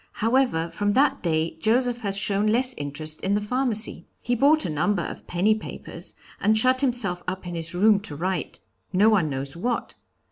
However, from that day Joseph has shown less interest in the pharmacy. He bought a number of penny papers, and shut himself up in his room to write no one knows what.